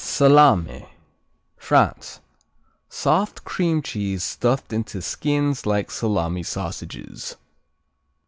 Salame France Soft cream cheese stuffed into skins like salami sausages.